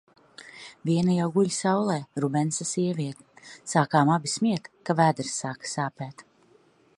Viena jau guļ saulē – Rubensa sieviete. Sākām abi smiet, ka vēders sāka sāpēt.